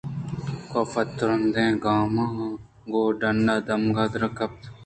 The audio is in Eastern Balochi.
کاف ترٛندیں گاماں گوں ڈنّ ءَ دمک ءَ در کپت